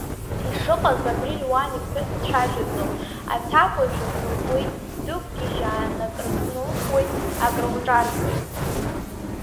Ишыҟаз, абри Леуан иԥҳәыс дцәажәаӡом, аҭакәажә акрылуеит дықәгьежьаан акрыкнылхуеит, акрылҿарҵот.